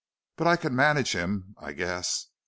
But I can manage him, I guess.